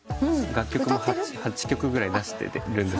楽曲８曲ぐらい出してる。